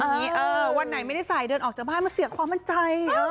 วันนี้วันไหนไม่ได้ใส่เดินออกจากบ้านมาเสียความมั่นใจ